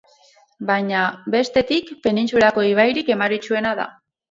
Baina, bestetik, penintsulako ibairik emaritsuena da.